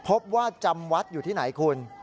พบว่าจำวัดอยู่ที่ไหนคุณ